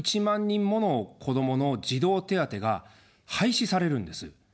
人もの子どもの児童手当が廃止されるんです。